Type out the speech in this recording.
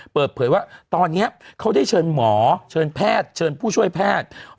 เปิดเผยว่าตอนนี้เขาได้เชิญหมอเชิญแพทย์เชิญผู้ช่วยแพทย์